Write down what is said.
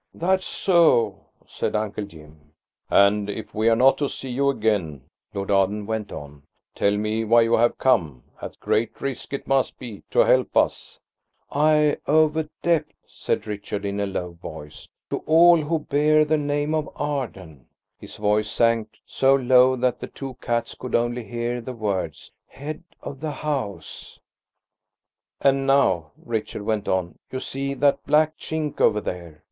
"That's so," said Uncle Jim. "And if we're not to see you again," Lord Arden went on, "tell me why you have come–at great risk it must be–to help us." "I owe a debt," said Richard, in a low voice, "to all who bear the name of Arden." His voice sank so low that the two cats could only hear the words "head of the house." "And now," Richard went on, "you see that black chink over there?"